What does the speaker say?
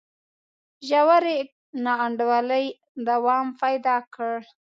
ژورې نا انډولۍ دوام پیدا کړ.